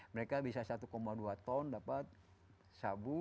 mereka bisa satu dua ton dapat sabu